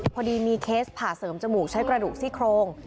พอดีมีเคสผ่าเสริมจมูกใช้กระดูกซี่โครง